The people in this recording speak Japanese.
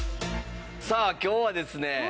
さあ今日はですね